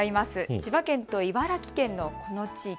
千葉県と茨城県のこの地域。